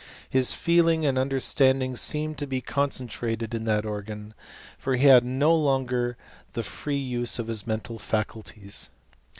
His feeli and understanding seemed to be concentrated in Organ, for he had no longer the free use of his m^nl faculties.